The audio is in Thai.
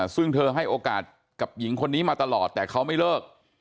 ซึ่งเธอให้โอกาสกับหญิงคนนี้มาตลอดแต่เขาไม่เลิก